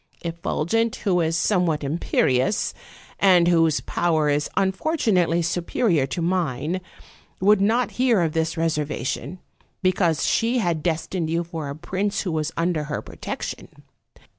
Effulgent, who is some what imperious, and whose power is unfortunately superior to mine, would not hear of this reservation, be cause she had destined you for a prince who was under her protection.